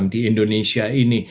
di indonesia ini